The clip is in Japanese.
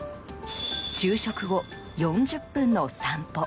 昼食後、４０分の散歩。